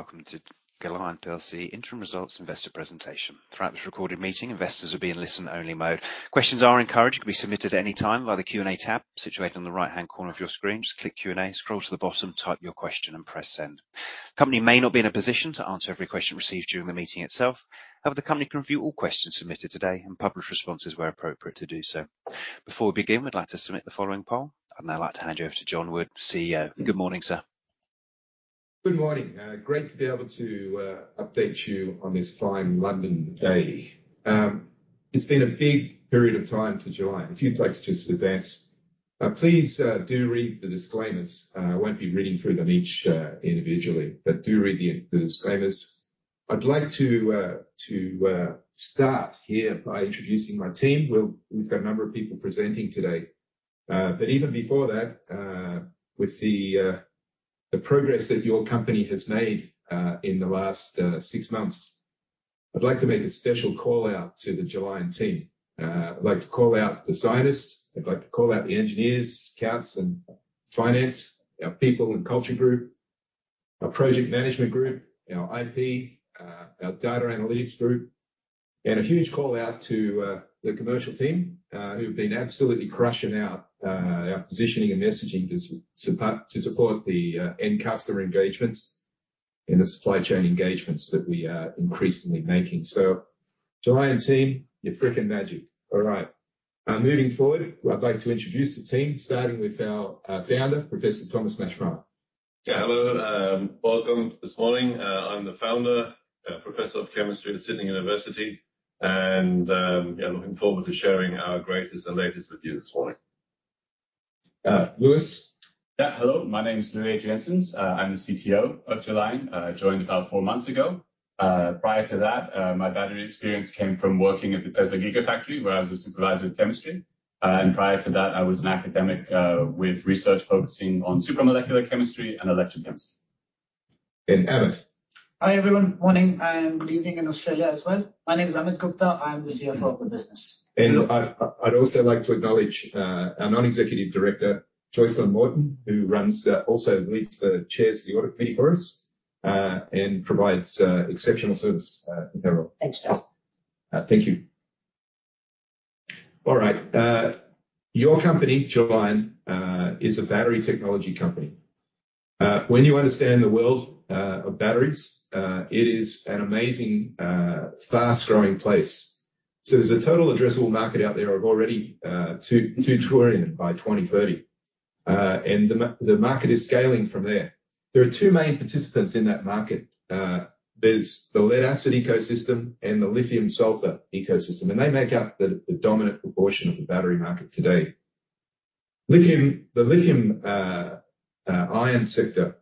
Good morning and welcome to Gelion PLC interim results investor presentation. Throughout this recorded meeting, investors will be in listen-only mode. Questions are encouraged. You can be submitted at any time via the Q&A tab situated on the right-hand corner of your screen. Just click Q&A, scroll to the bottom, type your question, and press send. The company may not be in a position to answer every question received during the meeting itself. However, the company can review all questions submitted today and publish responses where appropriate to do so. Before we begin, we'd like to submit the following poll, and I'd now like to hand you over to John Wood, CEO. Good morning, sir. Good morning. Great to be able to update you on this fine London day. It's been a big period of time for Gelion. If you'd like to just advance, please do read the disclaimers. I won't be reading through them each individually, but do read the disclaimers. I'd like to start here by introducing my team. We've got a number of people presenting today. But even before that, with the progress that your company has made in the last six months, I'd like to make a special call-out to the Gelion team. I'd like to call out the scientists. I'd like to call out the engineers, accounts, and finance, our people and culture group, our project management group, our IP, our data analytics group, and a huge call-out to the commercial team, who have been absolutely crushing out our positioning and messaging to support the end customer engagements and the supply chain engagements that we are increasingly making. So, Gelion team, you're freaking magic. All right. Moving forward, I'd like to introduce the team, starting with our founder, Professor Thomas Maschmeyer. Yeah. Hello. Welcome this morning. I'm the founder, Professor of Chemistry at University of Sydney, and yeah, looking forward to sharing our greatest and latest with you this morning. Louis. Yeah. Hello. My name's Louis Adriaenssens. I'm the CTO of Gelion, joined about four months ago. Prior to that, my battery experience came from working at the Tesla Gigafactory, where I was a supervisor of chemistry. Prior to that, I was an academic with research focusing on supramolecular chemistry and electrochemistry. And Amit. Hi, everyone. Morning. I'm living in Australia as well. My name's Amit Gupta. I'm the CFO of the business. I'd also like to acknowledge our Non-Executive Director, Joycelyn Morton, who also chairs the Audit Committee for us and provides exceptional service in her role. Thanks, John. Thank you. All right. Your company, Gelion, is a battery technology company. When you understand the world of batteries, it is an amazing, fast-growing place. So there's a total addressable market out there of already $2 trillion by 2030, and the market is scaling from there. There are two main participants in that market. There's the lead-acid ecosystem and the lithium-sulfur ecosystem, and they make up the dominant proportion of the battery market today. The lithium-ion sector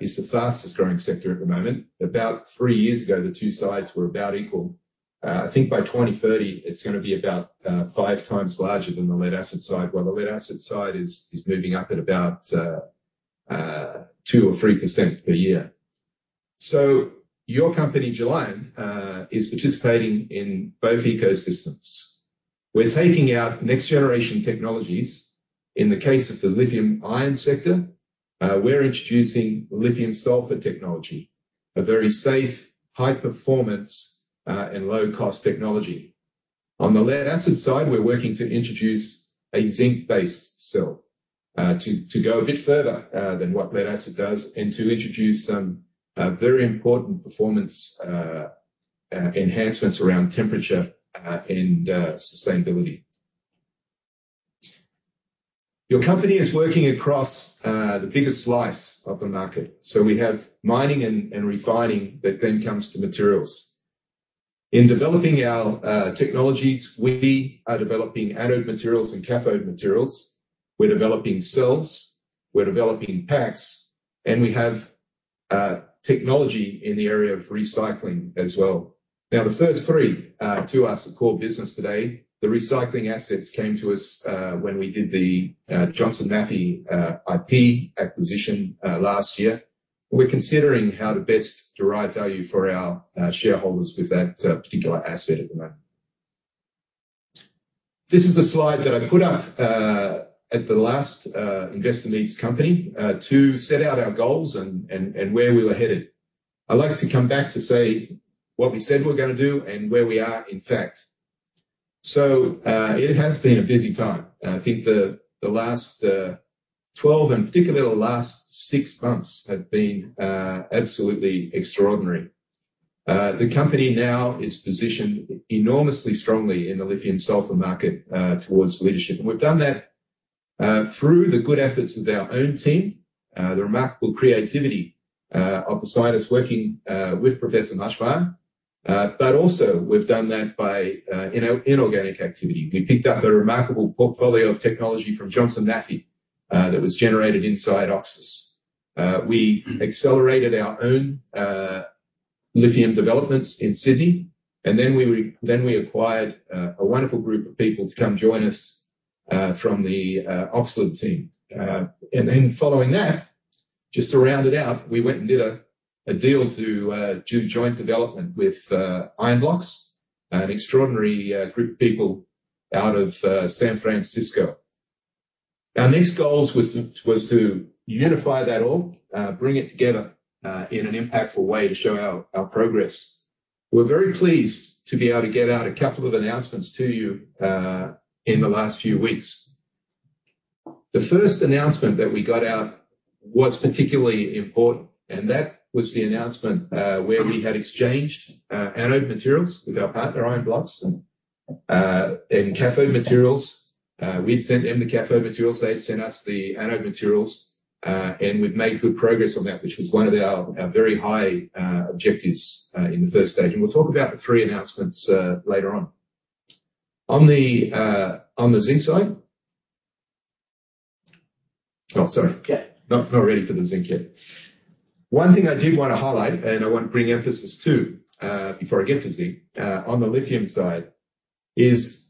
is the fastest-growing sector at the moment. About 3 years ago, the two sides were about equal. I think by 2030, it's going to be about five times larger than the lead-acid side, while the lead-acid side is moving up at about 2%-3% per year. So your company, Gelion, is participating in both ecosystems. We're taking out next-generation technologies. In the case of the lithium-ion sector, we're introducing lithium-sulfur technology, a very safe, high-performance, and low-cost technology. On the lead-acid side, we're working to introduce a zinc-based cell to go a bit further than what lead-acid does and to introduce some very important performance enhancements around temperature and sustainability. Your company is working across the biggest slice of the market. So we have mining and refining that then comes to materials. In developing our technologies, we are developing anode materials and cathode materials. We're developing cells. We're developing packs. And we have technology in the area of recycling as well. Now, the first three to us at core business today, the recycling assets came to us when we did the Johnson Matthey IP acquisition last year. We're considering how to best derive value for our shareholders with that particular asset at the moment. This is a slide that I put up at the last investor meets company to set out our goals and where we were headed. I'd like to come back to say what we said we were going to do and where we are in fact. It has been a busy time. I think the last 12 and particularly the last 6 months have been absolutely extraordinary. The company now is positioned enormously strongly in the lithium-sulfur market towards leadership. We've done that through the good efforts of our own team, the remarkable creativity of the scientists working with Professor Maschmeyer, but also we've done that by inorganic activity. We picked up a remarkable portfolio of technology from Johnson Matthey that was generated inside OXIS. We accelerated our own lithium developments in Sydney, and then we acquired a wonderful group of people to come join us from the OXLiD team. And then following that, just to round it out, we went and did a deal to do joint development with Ionblox, an extraordinary group of people out of San Francisco. Our next goals was to unify that all, bring it together in an impactful way to show our progress. We're very pleased to be able to get out a couple of announcements to you in the last few weeks. The first announcement that we got out was particularly important, and that was the announcement where we had exchanged anode materials with our partner, Ionblox, and cathode materials. We'd sent them the cathode materials. They'd sent us the anode materials. We'd made good progress on that, which was one of our very high objectives in the first stage. We'll talk about the three announcements later on. On the zinc side, oh, sorry. Yeah. Not ready for the zinc yet. One thing I did want to highlight, and I want to bring emphasis to before I get to zinc, on the lithium side, is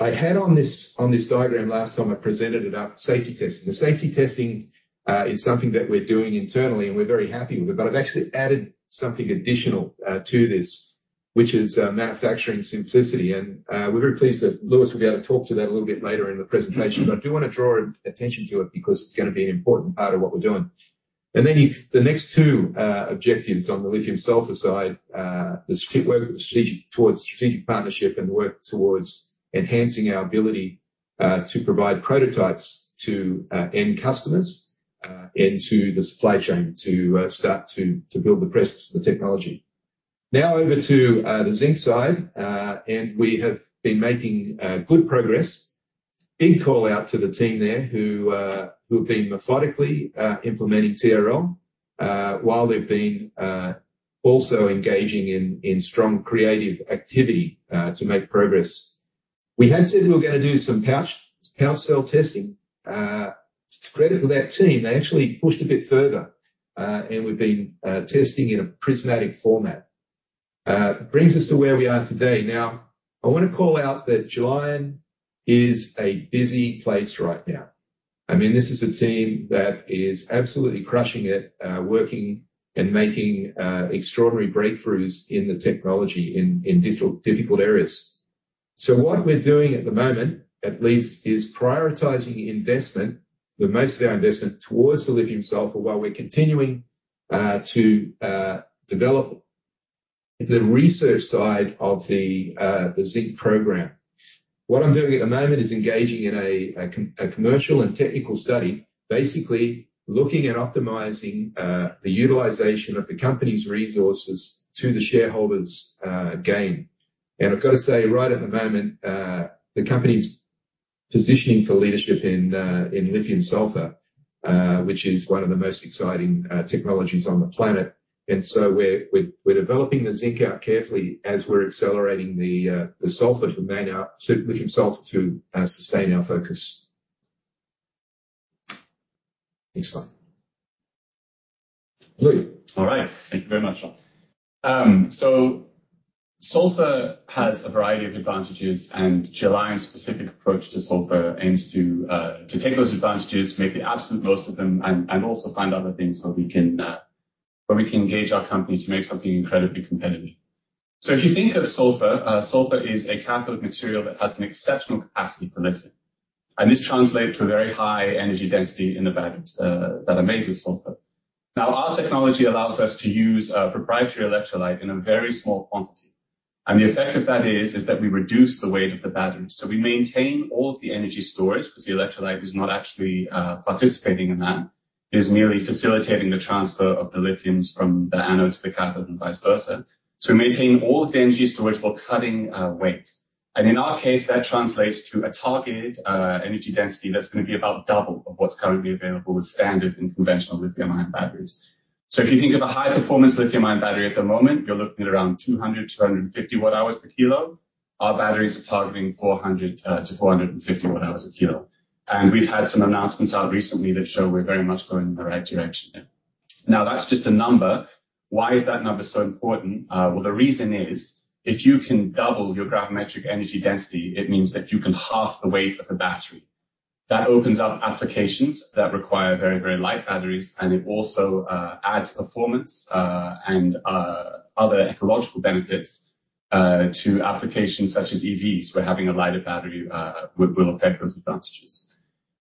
I had on this diagram last summer, presented it up, safety testing. The safety testing is something that we're doing internally, and we're very happy with it. But I've actually added something additional to this, which is manufacturing simplicity. And we're very pleased that Louis will be able to talk to that a little bit later in the presentation. But I do want to draw attention to it because it's going to be an important part of what we're doing. And then the next two objectives on the lithium-sulfur side, the work towards strategic partnership and the work towards enhancing our ability to provide prototypes to end customers and to the supply chain to start to build the press for the technology. Now over to the zinc side, and we have been making good progress. Big call-out to the team there who have been methodically implementing TRL while they've been also engaging in strong creative activity to make progress. We had said we were going to do some pouch cell testing. To credit for that team, they actually pushed a bit further, and we've been testing in a prismatic format. It brings us to where we are today. Now, I want to call out that Gelion is a busy place right now. I mean, this is a team that is absolutely crushing it, working and making extraordinary breakthroughs in the technology in difficult areas. So what we're doing at the moment, at least, is prioritizing investment, most of our investment, towards the lithium-sulfur while we're continuing to develop the research side of the zinc program. What I'm doing at the moment is engaging in a commercial and technical study, basically looking at optimizing the utilization of the company's resources to the shareholders' gain. And I've got to say, right at the moment, the company's positioning for leadership in lithium-sulfur, which is one of the most exciting technologies on the planet. And so we're developing the zinc out carefully as we're accelerating the sulfur to sustain our focus. Next slide. Louis. All right. Thank you very much, John. So sulfur has a variety of advantages, and Gelion's specific approach to sulfur aims to take those advantages, make the absolute most of them, and also find other things where we can engage our company to make something incredibly competitive. So if you think of sulfur, sulfur is a cathode material that has an exceptional capacity for lithium. And this translates to a very high energy density in the batteries that are made with sulfur. Now, our technology allows us to use a proprietary electrolyte in a very small quantity. And the effect of that is that we reduce the weight of the battery. So we maintain all of the energy storage because the electrolyte is not actually participating in that. It is merely facilitating the transfer of the lithiums from the anode to the cathode and vice versa. So we maintain all of the energy storage while cutting weight. And in our case, that translates to a targeted energy density that's going to be about double of what's currently available with standard and conventional lithium-ion batteries. So if you think of a high-performance lithium-ion battery at the moment, you're looking at around 200-250 watt-hours per kilo. Our batteries are targeting 400-450 watt-hours a kilo. And we've had some announcements out recently that show we're very much going in the right direction there. Now, that's just a number. Why is that number so important? Well, the reason is, if you can double your gravimetric energy density, it means that you can half the weight of the battery. That opens up applications that require very, very light batteries, and it also adds performance and other ecological benefits to applications such as EVs where having a lighter battery will affect those advantages.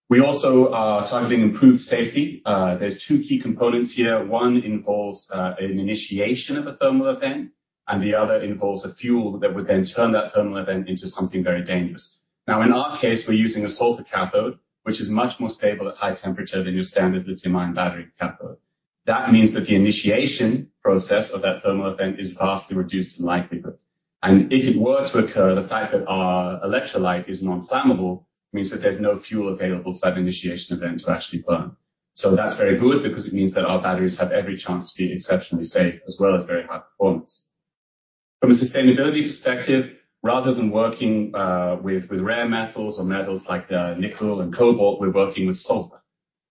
We also are targeting improved safety. There's two key components here. One involves an initiation of a thermal event, and the other involves a fuel that would then turn that thermal event into something very dangerous. Now, in our case, we're using a sulfur cathode, which is much more stable at high temperature than your standard lithium-ion battery cathode. That means that the initiation process of that thermal event is vastly reduced in likelihood. And if it were to occur, the fact that our electrolyte is non-flammable means that there's no fuel available for that initiation event to actually burn. So that's very good because it means that our batteries have every chance to be exceptionally safe as well as very high performance. From a sustainability perspective, rather than working with rare metals or metals like nickel and cobalt, we're working with sulfur.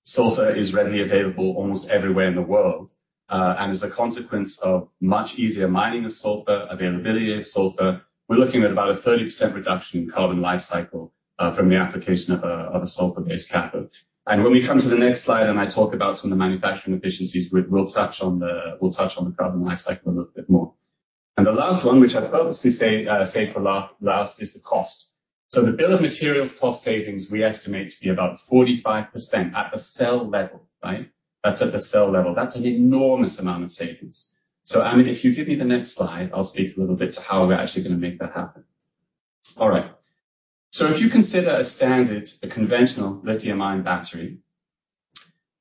Sulfur is readily available almost everywhere in the world. And as a consequence of much easier mining of sulfur, availability of sulfur, we're looking at about a 30% reduction in carbon life cycle from the application of a sulfur-based cathode. And when we come to the next slide and I talk about some of the manufacturing efficiencies, we'll touch on the carbon life cycle a little bit more. And the last one, which I purposely say for last, is the cost. So the bill of materials cost savings we estimate to be about 45% at the cell level, right? That's at the cell level. That's an enormous amount of savings. So, Amit, if you give me the next slide, I'll speak a little bit to how we're actually going to make that happen. All right. So if you consider a standard, a conventional lithium-ion battery,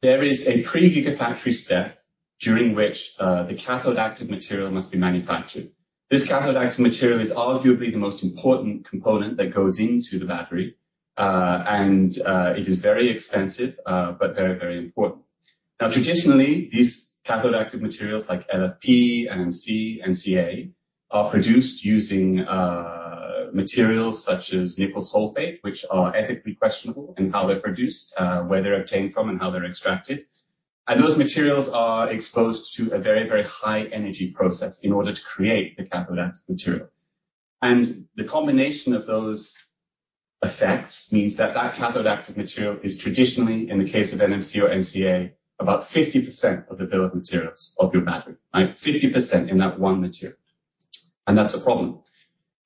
there is a pre-gigafactory step during which the cathode-active material must be manufactured. This cathode-active material is arguably the most important component that goes into the battery. And it is very expensive but very, very important. Now, traditionally, these cathode-active materials like LFP, NMC, and NCA are produced using materials such as nickel sulfate, which are ethically questionable in how they're produced, where they're obtained from, and how they're extracted. And those materials are exposed to a very, very high energy process in order to create the cathode-active material. The combination of those effects means that that cathode-active material is traditionally, in the case of NMC or NCA, about 50% of the bill of materials of your battery, right? 50% in that one material. That's a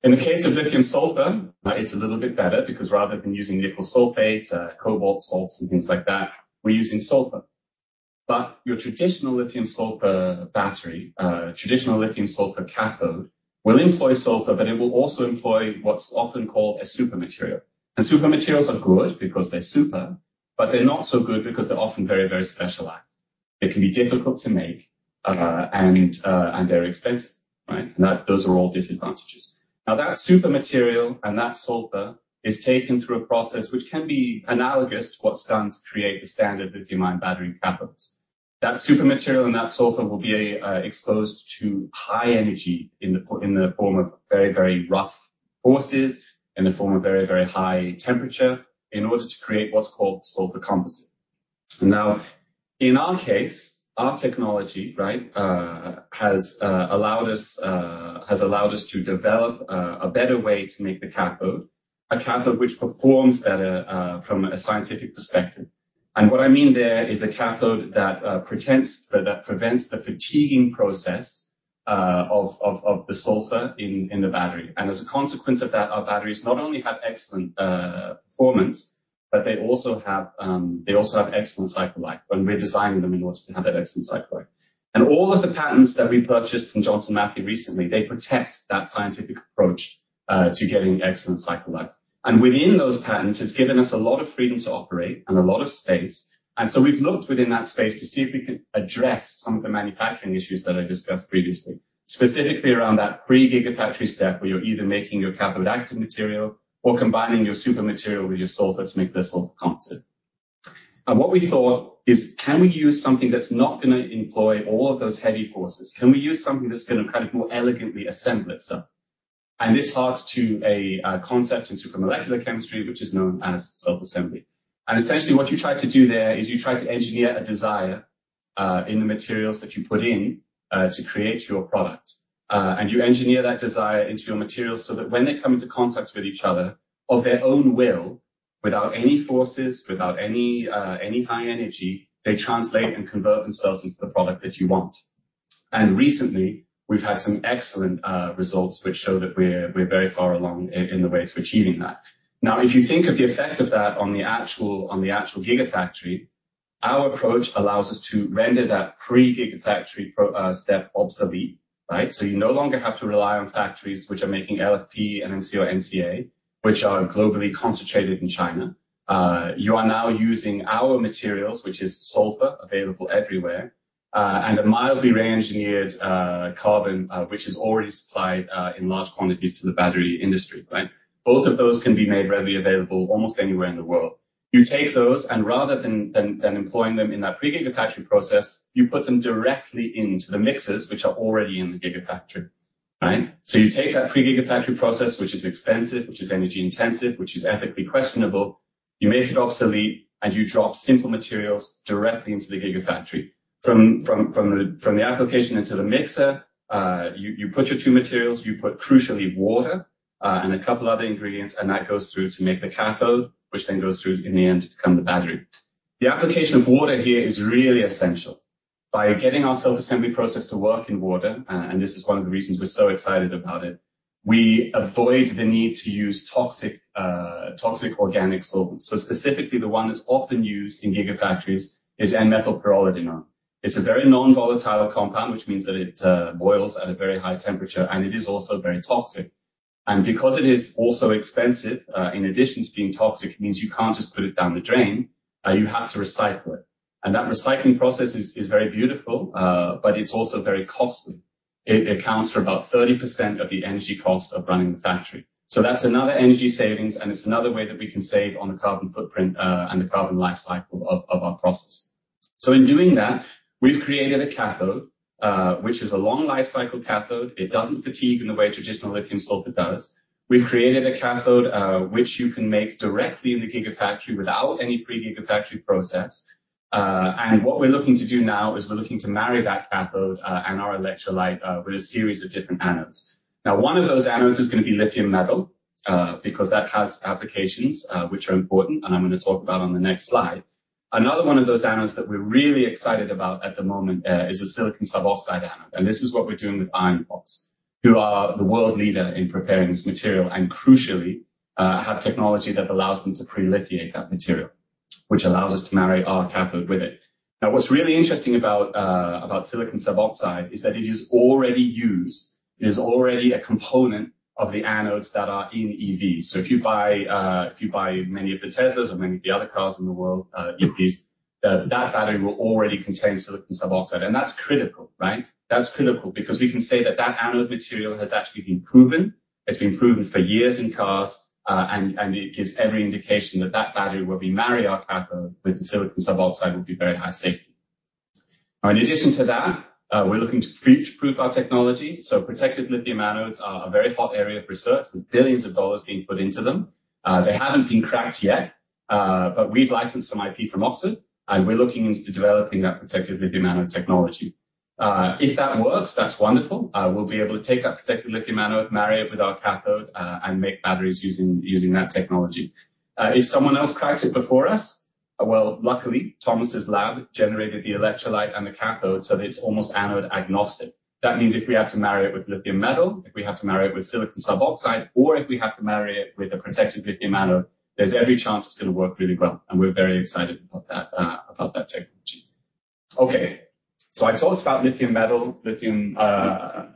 problem. In the case of lithium-sulfur, it's a little bit better because rather than using nickel sulfates, cobalt salts, and things like that, we're using sulfur. But your traditional lithium-sulfur battery, traditional lithium-sulfur cathode, will employ sulfur, but it will also employ what's often called a supermaterial. Supermaterials are good because they're super, but they're not so good because they're often very, very specialized. They can be difficult to make, and they're expensive, right? And those are all disadvantages. Now, that supermaterial and that sulfur is taken through a process which can be analogous to what's done to create the standard lithium-ion battery cathodes. That supermaterial and that sulfur will be exposed to high energy in the form of very, very rough forces, in the form of very, very high temperature in order to create what's called sulfur composite. And now, in our case, our technology, right, has allowed us to develop a better way to make the cathode, a cathode which performs better from a scientific perspective. And what I mean there is a cathode that prevents the fatiguing process of the sulfur in the battery. And as a consequence of that, our batteries not only have excellent performance, but they also have excellent cycle life when we're designing them in order to have that excellent cycle life. And all of the patents that we purchased from Johnson Matthey recently, they protect that scientific approach to getting excellent cycle life. And within those patents, it's given us a lot of freedom to operate and a lot of space. And so we've looked within that space to see if we can address some of the manufacturing issues that I discussed previously, specifically around that pre-gigafactory step where you're either making your cathode-active material or combining your supermaterial with your sulfur to make the sulfur composite. And what we thought is, can we use something that's not going to employ all of those heavy forces? Can we use something that's going to kind of more elegantly assemble itself? And this harks to a concept in supermolecular chemistry, which is known as self-assembly. And essentially, what you try to do there is you try to engineer a desire in the materials that you put in to create your product. You engineer that desire into your materials so that when they come into contact with each other of their own will, without any forces, without any high energy, they translate and convert themselves into the product that you want. Recently, we've had some excellent results which show that we're very far along in the way to achieving that. Now, if you think of the effect of that on the actual gigafactory, our approach allows us to render that pre-gigafactory step obsolete, right? You no longer have to rely on factories which are making LFP and NMC or NCA, which are globally concentrated in China. You are now using our materials, which is sulfur available everywhere, and a mildly re-engineered carbon, which is already supplied in large quantities to the battery industry, right? Both of those can be made readily available almost anywhere in the world. You take those, and rather than employing them in that pre-gigafactory process, you put them directly into the mixers, which are already in the gigafactory, right? So you take that pre-gigafactory process, which is expensive, which is energy-intensive, which is ethically questionable, you make it obsolete, and you drop simple materials directly into the gigafactory. From the application into the mixer, you put your two materials. You put, crucially, water and a couple of other ingredients. And that goes through to make the cathode, which then goes through in the end to become the battery. The application of water here is really essential. By getting our self-assembly process to work in water, and this is one of the reasons we're so excited about it, we avoid the need to use toxic organic solvents. So specifically, the one that's often used in gigafactories is N-methylpyrrolidinone. It's a very non-volatile compound, which means that it boils at a very high temperature, and it is also very toxic. Because it is also expensive, in addition to being toxic, it means you can't just put it down the drain. You have to recycle it. That recycling process is very beautiful, but it's also very costly. It accounts for about 30% of the energy cost of running the factory. That's another energy savings, and it's another way that we can save on the carbon footprint and the carbon life cycle of our process. In doing that, we've created a cathode, which is a long-life cycle cathode. It doesn't fatigue in the way traditional lithium-sulfur does. We've created a cathode which you can make directly in the Gigafactory without any pre-Gigafactory process. And what we're looking to do now is we're looking to marry that cathode and our electrolyte with a series of different anodes. Now, one of those anodes is going to be lithium-metal because that has applications which are important, and I'm going to talk about on the next slide. Another one of those anodes that we're really excited about at the moment is a silicon suboxide anode. And this is what we're doing with Ionblox, who are the world leader in preparing this material and, crucially, have technology that allows them to pre-lithiate that material, which allows us to marry our cathode with it. Now, what's really interesting about silicon suboxide is that it is already used. It is already a component of the anodes that are in EVs. So if you buy many of the Teslas or many of the other cars in the world, EVs, that battery will already contain silicon suboxide. And that's critical, right? That's critical because we can say that that anode material has actually been proven. It's been proven for years in cars, and it gives every indication that that battery will be married, our cathode, with the silicon suboxide will be very high safety. Now, in addition to that, we're looking to future-proof our technology. So protected lithium anodes are a very hot area of research. There's $ billions being put into them. They haven't been cracked yet, but we've licensed some IP from Oxford, and we're looking into developing that protected lithium anode technology. If that works, that's wonderful. We'll be able to take that protected lithium anode, marry it with our cathode, and make batteries using that technology. If someone else cracks it before us, well, luckily, Thomas's lab generated the electrolyte and the cathode so that it's almost anode-agnostic. That means if we have to marry it with lithium metal, if we have to marry it with silicon suboxide, or if we have to marry it with a protected lithium anode, there's every chance it's going to work really well. And we're very excited about that technology. Okay. So I talked about lithium metal, lithium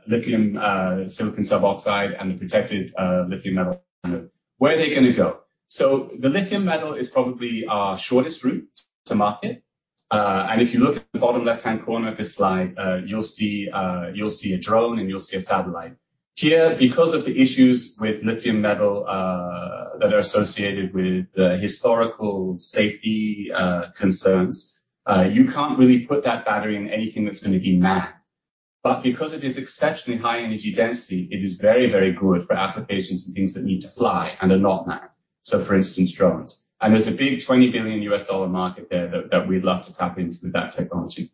silicon suboxide, and the protected lithium anode. Where are they going to go? So the lithium metal is probably our shortest route to market. And if you look at the bottom left-hand corner of this slide, you'll see a drone, and you'll see a satellite. Here, because of the issues with lithium metal that are associated with the historical safety concerns, you can't really put that battery in anything that's going to be manned. But because it is exceptionally high energy density, it is very, very good for applications and things that need to fly and are not manned, so, for instance, drones. And there's a big $20 billion market there that we'd love to tap into with that technology.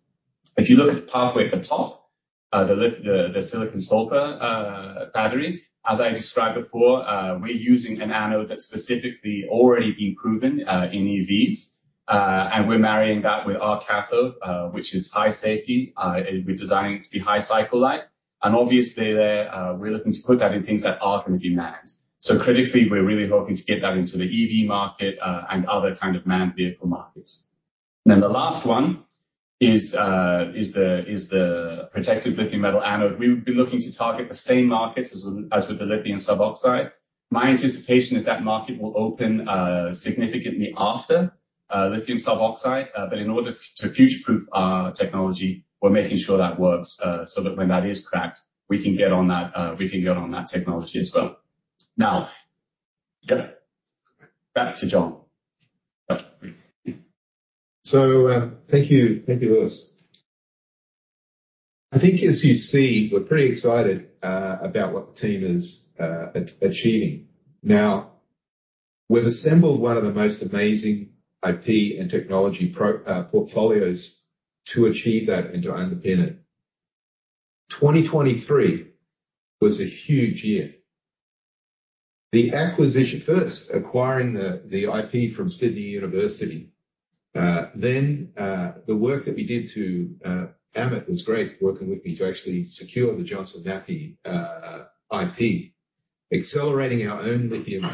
If you look at the pathway at the top, the silicon sulfur battery, as I described before, we're using an anode that's specifically already been proven in EVs. And we're marrying that with our cathode, which is high safety. We're designing it to be high cycle life. And obviously, we're looking to put that in things that are going to be manned. So critically, we're really hoping to get that into the EV market and other kind of manned vehicle markets. And then the last one is the protected lithium metal anode. We've been looking to target the same markets as with the silicon suboxide. My anticipation is that market will open significantly after silicon suboxide. But in order to future-proof our technology, we're making sure that works so that when that is cracked, we can get on that technology as well. Now, back to John. So thank you. Thank you, Louis. I think, as you see, we're pretty excited about what the team is achieving. Now, we've assembled one of the most amazing IP and technology portfolios to achieve that and to underpin it. 2023 was a huge year. First, acquiring the IP from University of Sydney. Then the work that we did to Amit was great, working with me to actually secure the Johnson Matthey IP, accelerating our own lithium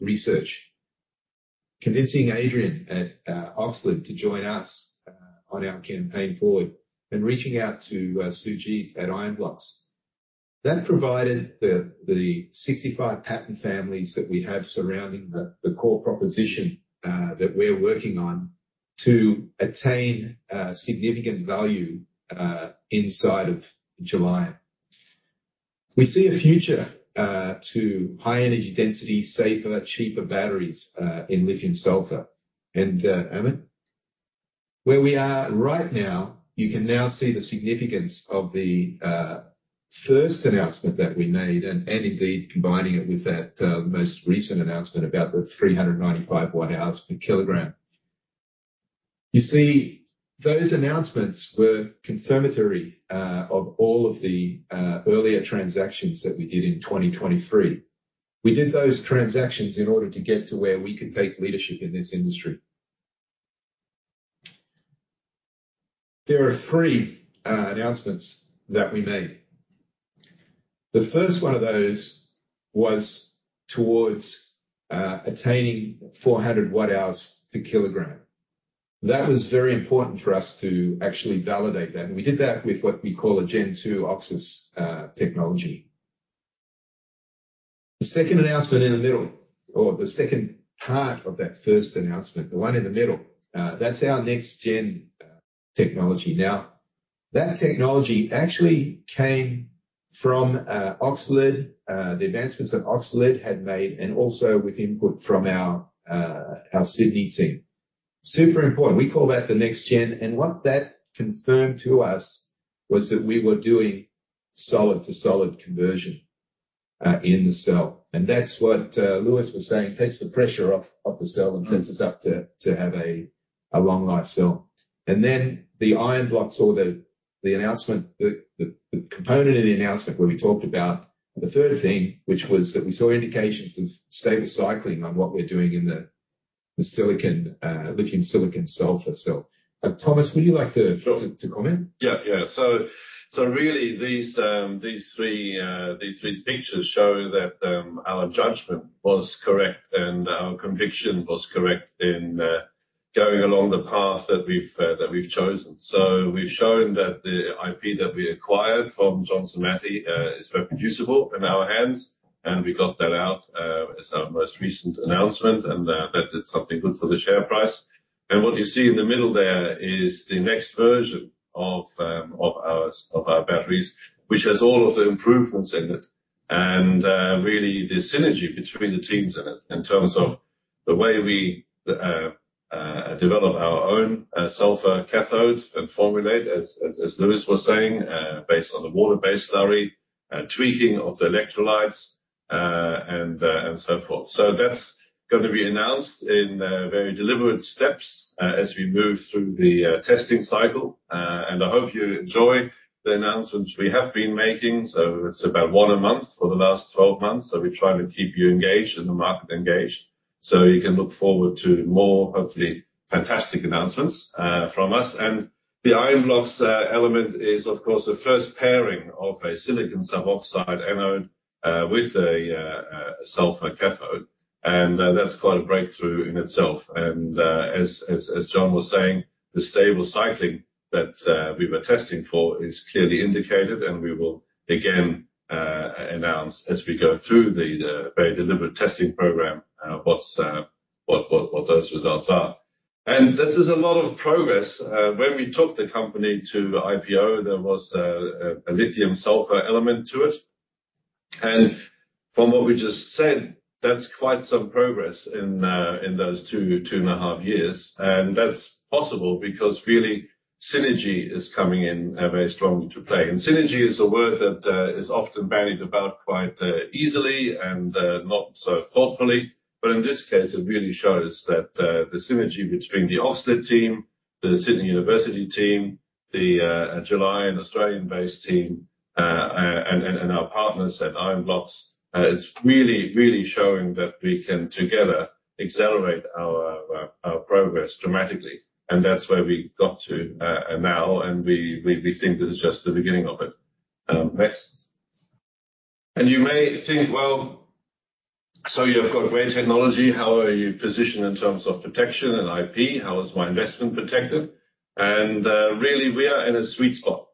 research, convincing Adrien at Oxford to join us on our campaign forward, and reaching out to Sujeet at Ionblox. That provided the 65 patent families that we have surrounding the core proposition that we're working on to attain significant value inside of July. We see a future to high energy density, safer, cheaper batteries in lithium-sulfur. And Amit, where we are right now, you can now see the significance of the first announcement that we made and, indeed, combining it with that most recent announcement about the 395 Wh/kg. You see, those announcements were confirmatory of all of the earlier transactions that we did in 2023. We did those transactions in order to get to where we could take leadership in this industry. There are three announcements that we made. The first one of those was towards attaining 400 Wh/kg. That was very important for us to actually validate that. And we did that with what we call a Gen II OXIS technology. The second announcement in the middle or the second part of that first announcement, the one in the middle, that's our next-gen technology. Now, that technology actually came from Oxford. The advancements that Oxford had made and also with input from our Sydney team. Super important. We call that the next-gen. And what that confirmed to us was that we were doing solid-to-solid conversion in the cell. And that's what Louis was saying, takes the pressure off the cell and sets us up to have a long-life cell. And then the Ionblox saw the announcement, the component in the announcement where we talked about the third thing, which was that we saw indications of stable cycling on what we're doing in the lithium-silicon sulfur cell. Thomas, would you like to comment? Sure. Yeah. Yeah. So really, these three pictures show that our judgment was correct and our conviction was correct in going along the path that we've chosen. So we've shown that the IP that we acquired from Johnson Matthey is reproducible in our hands. And we got that out as our most recent announcement, and that did something good for the share price. And what you see in the middle there is the next version of our batteries, which has all of the improvements in it and really the synergy between the teams in it in terms of the way we develop our own sulfur cathodes and formulate, as Louis was saying, based on the water-based slurry, tweaking of the electrolytes, and so forth. So that's going to be announced in very deliberate steps as we move through the testing cycle. And I hope you enjoy the announcements we have been making. So it's about one a month for the last 12 months. So we try to keep you engaged and the market engaged. So you can look forward to more, hopefully, fantastic announcements from us. And the Ionblox element is, of course, the first pairing of a silicon suboxide anode with a sulfur cathode. And that's quite a breakthrough in itself. And as John was saying, the stable cycling that we were testing for is clearly indicated. And we will, again, announce as we go through the very deliberate testing program what those results are. And this is a lot of progress. When we took the company to IPO, there was a lithium-sulfur element to it. And from what we just said, that's quite some progress in those 2.5 years. That's possible because, really, synergy is coming in very strongly to play. Synergy is a word that is often bandied about quite easily and not so thoughtfully. But in this case, it really shows that the synergy between the Oxford team, the University of Sydney team, the Gelion and Australian-based team, and our partners at Ionblox is really, really showing that we can, together, accelerate our progress dramatically. That's where we got to now. We think this is just the beginning of it. Next. You may think, "Well, so you've got great technology. How are you positioned in terms of protection and IP? How is my investment protected?" Really, we are in a sweet spot,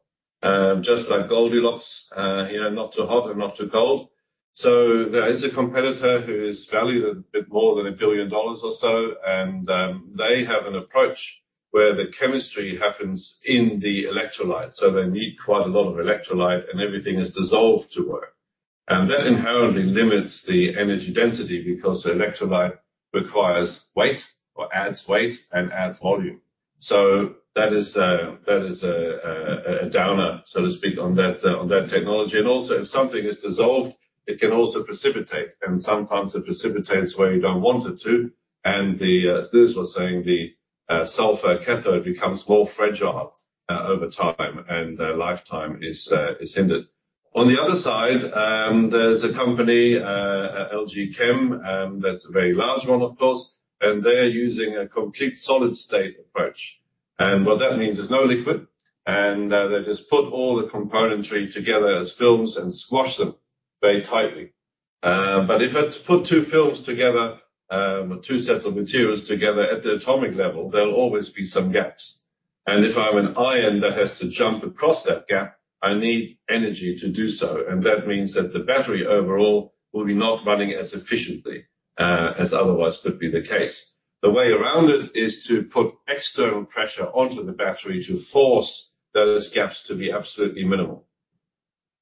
just like Goldilocks, not too hot and not too cold. So there is a competitor who is valued a bit more than $1 billion or so. They have an approach where the chemistry happens in the electrolyte. So they need quite a lot of electrolyte, and everything is dissolved to work. That inherently limits the energy density because the electrolyte requires weight or adds weight and adds volume. So that is a downer, so to speak, on that technology. Also, if something is dissolved, it can also precipitate. Sometimes it precipitates where you don't want it to. As Louis was saying, the sulfur cathode becomes more fragile over time, and lifetime is hindered. On the other side, there's a company, LG Chem, that's a very large one, of course. They're using a complete solid-state approach. What that means is no liquid. They just put all the componentry together as films and squash them very tightly. But if I put two films together, two sets of materials together at the atomic level, there'll always be some gaps. And if I'm an ion that has to jump across that gap, I need energy to do so. And that means that the battery overall will be not running as efficiently as otherwise could be the case. The way around it is to put external pressure onto the battery to force those gaps to be absolutely minimal.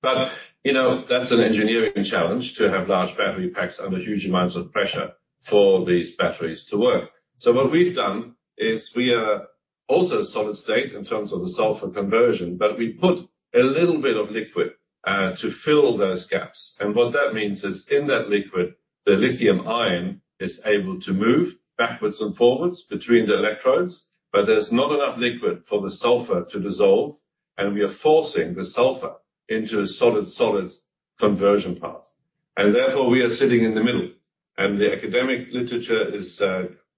But that's an engineering challenge to have large battery packs under huge amounts of pressure for these batteries to work. So what we've done is we are also solid-state in terms of the sulfur conversion, but we put a little bit of liquid to fill those gaps. And what that means is, in that liquid, the lithium ion is able to move backwards and forwards between the electrodes. But there's not enough liquid for the sulfur to dissolve. And we are forcing the sulfur into a solid-solid conversion path. And therefore, we are sitting in the middle. And the academic literature is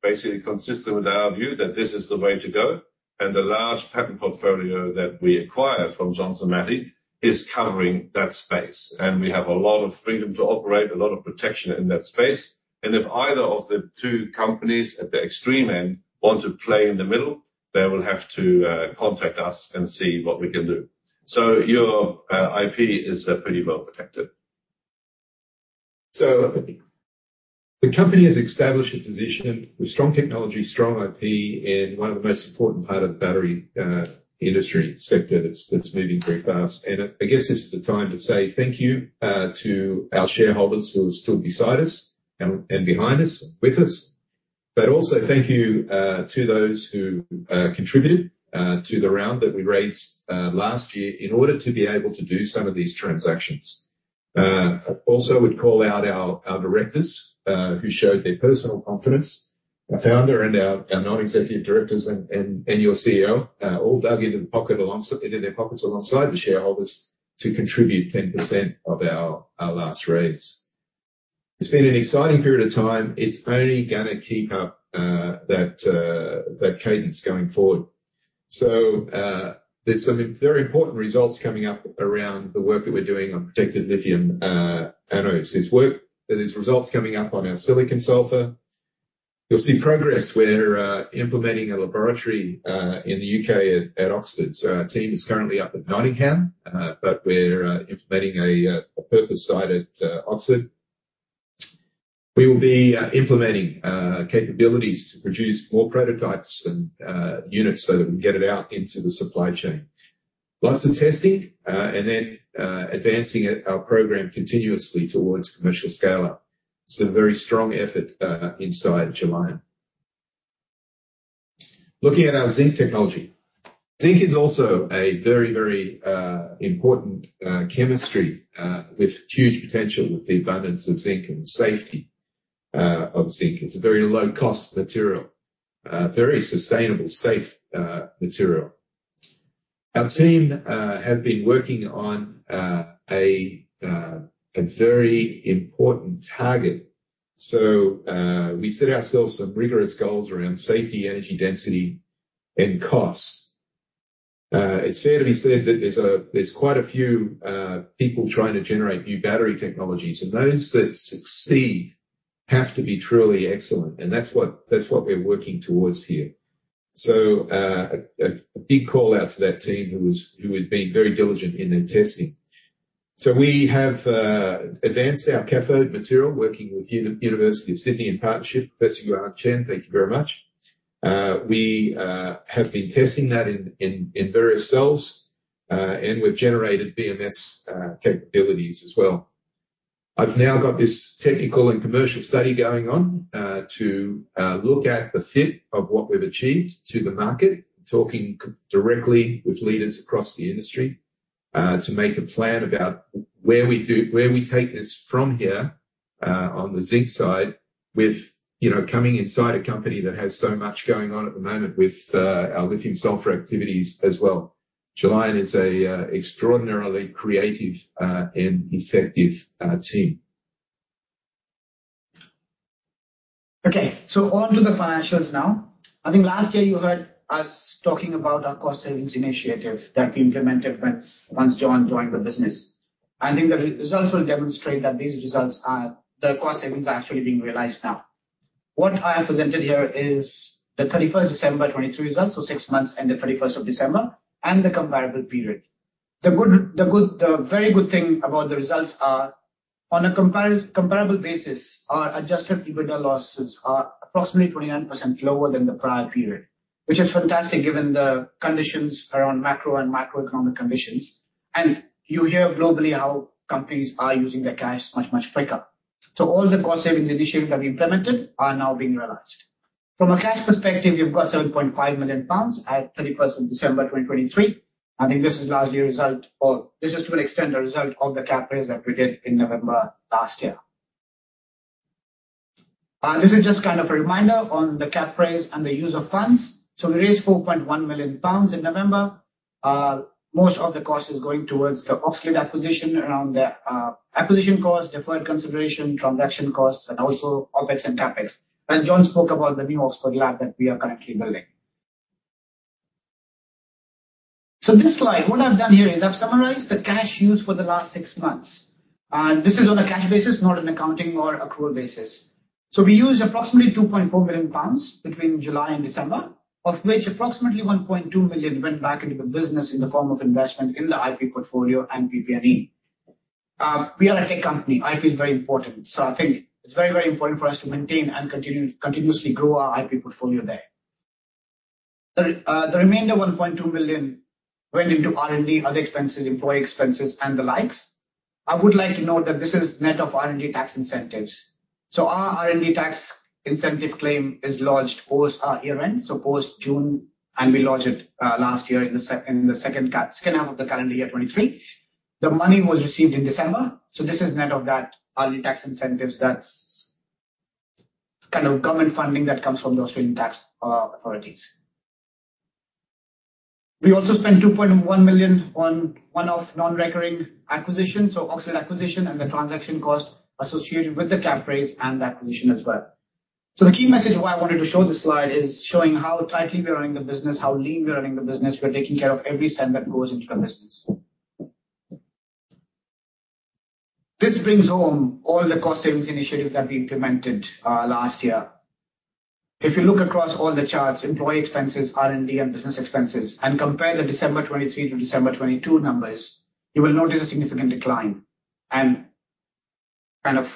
basically consistent with our view that this is the way to go. And the large patent portfolio that we acquired from Johnson Matthey is covering that space. And we have a lot of freedom to operate, a lot of protection in that space. And if either of the two companies at the extreme end want to play in the middle, they will have to contact us and see what we can do. So your IP is pretty well protected. So the company has established a position with strong technology, strong IP, in one of the most important parts of the battery industry sector that's moving very fast. I guess this is a time to say thank you to our shareholders who will still be by our side and behind us and with us. But also, thank you to those who contributed to the round that we raised last year in order to be able to do some of these transactions. Also, I would call out our directors who showed their personal confidence, our founder and our non-executive directors and your CEO, all dug into their pockets alongside the shareholders to contribute 10% of our last raise. It's been an exciting period of time. It's only going to keep up that cadence going forward. So there's some very important results coming up around the work that we're doing on protected lithium anodes. There's results coming up on our silicon sulfur. You'll see progress. We're implementing a laboratory in the UK at Oxford. So our team is currently up at Nottingham, but we're implementing a purpose-built Oxford. We will be implementing capabilities to produce more prototypes and units so that we can get it out into the supply chain. Lots of testing and then advancing our program continuously towards commercial scale. It's a very strong effort in July. Looking at our zinc technology, zinc is also a very, very important chemistry with huge potential with the abundance of zinc and the safety of zinc. It's a very low-cost material, very sustainable, safe material. Our team has been working on a very important target. We set ourselves some rigorous goals around safety, energy density, and cost. It's fair to be said that there's quite a few people trying to generate new battery technologies. Those that succeed have to be truly excellent. That's what we're working towards here. A big call out to that team who had been very diligent in their testing. We have advanced our cathode material, working with University of Sydney in partnership, Professor Yuan Chen. Thank you very much. We have been testing that in various cells. We've generated BMS capabilities as well. I've now got this technical and commercial study going on to look at the fit of what we've achieved to the market, talking directly with leaders across the industry to make a plan about where we take this from here on the zinc side with coming inside a company that has so much going on at the moment with our lithium-sulfur activities as well. July is an extraordinarily creative and effective team. Okay. So on to the financials now. I think last year, you heard us talking about our cost-savings initiative that we implemented once John joined the business. I think the results will demonstrate that the cost savings are actually being realized now. What I have presented here is the 31st December 2023 results, so six months and the 31st of December, and the comparable period. The very good thing about the results are, on a comparable basis, our adjusted EBITDA losses are approximately 29% lower than the prior period, which is fantastic given the conditions around macro and microeconomic conditions. And you hear globally how companies are using their cash much, much quicker. So all the cost-savings initiatives that we implemented are now being realized. From a cash perspective, we've got 7.5 million pounds at 31st of December 2023. I think this is last year's result or this is, to an extent, a result of the cap raise that we did in November last year. This is just kind of a reminder on the cap raise and the use of funds. So we raised 4.1 million pounds in November. Most of the cost is going towards the Oxford acquisition around the acquisition costs, deferred consideration, transaction costs, and also OPEX and CAPEX. And John spoke about the new Oxford lab that we are currently building. So this slide, what I've done here is I've summarised the cash used for the last six months. This is on a cash basis, not an accounting or accrual basis. So we used approximately 2.4 million pounds between July and December, of which approximately 1.2 million went back into the business in the form of investment in the IP portfolio and PP&E. We are a tech company. IP is very important. So I think it's very, very important for us to maintain and continuously grow our IP portfolio there. The remainder 1.2 million went into R&D, other expenses, employee expenses, and the likes. I would like to note that this is net of R&D tax incentives. So our R&D tax incentive claim is lodged post our year-end, so post June, and we lodged it last year in the second half of the calendar year 2023. The money was received in December. So this is net of that R&D tax incentives. That's kind of government funding that comes from the Australian tax authorities. We also spent 2.1 million on one of non-recurring acquisitions, so Oxford acquisition and the transaction cost associated with the cap raise and the acquisition as well. So the key message why I wanted to show this slide is showing how tightly we're running the business, how lean we're running the business. We're taking care of every cent that goes into the business. This brings home all the cost-savings initiatives that we implemented last year. If you look across all the charts, employee expenses, R&D, and business expenses, and compare the December 2023 to December 2022 numbers, you will notice a significant decline. And kind of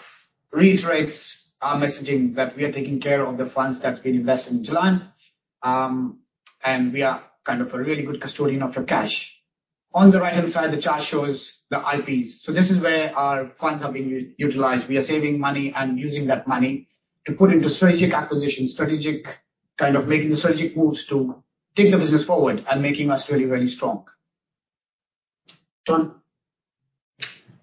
reiterates our messaging that we are taking care of the funds that's been invested in July. And we are kind of a really good custodian of your cash. On the right-hand side, the chart shows the IPs. So this is where our funds have been utilized. We are saving money and using that money to put into strategic acquisitions, kind of making the strategic moves to take the business forward and making us really, really strong. John?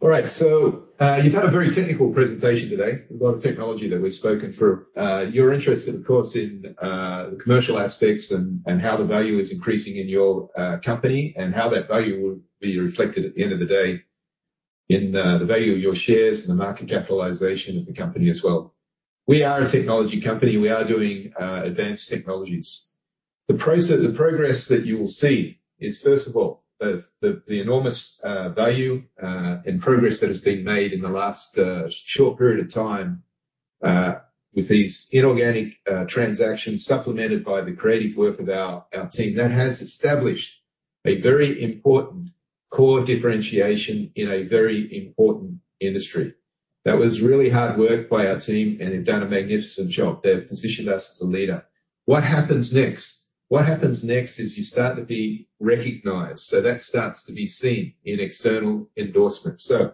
All right. So you've had a very technical presentation today. There's a lot of technology that we've spoken through. You're interested, of course, in the commercial aspects and how the value is increasing in your company and how that value will be reflected at the end of the day in the value of your shares and the market capitalization of the company as well. We are a technology company. We are doing advanced technologies. The progress that you will see is, first of all, the enormous value and progress that has been made in the last short period of time with these inorganic transactions supplemented by the creative work of our team. That has established a very important core differentiation in a very important industry. That was really hard work by our team, and they've done a magnificent job. They've positioned us as a leader. What happens next? What happens next is you start to be recognized. So that starts to be seen in external endorsements. So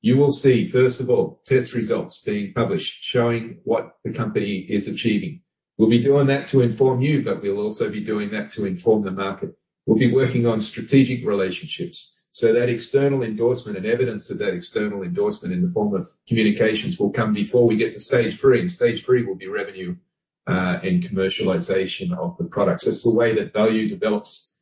you will see, first of all, test results being published showing what the company is achieving. We'll be doing that to inform you, but we'll also be doing that to inform the market. We'll be working on strategic relationships. So that external endorsement and evidence of that external endorsement in the form of communications will come before we get to stage three. And stage three will be revenue and commercialization of the products. That's the way that value develops